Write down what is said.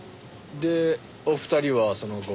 でお二人はその後？